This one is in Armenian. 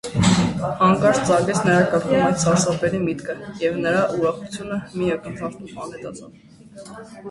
- հանկարծ ծագեց նրա գլխում այդ սարսափելի միտքը, և նրա ուրախությունը մի ակնթարթում անհետացավ: